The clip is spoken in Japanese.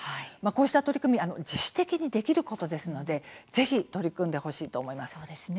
こうした取り組み自主的にできることですのでぜひ取り組んでほしいと思います。